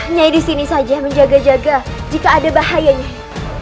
nyai di sini saja menjaga jaga jika ada bahayanya